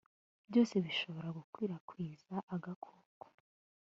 byose bishobora gukwirakwiza agakoko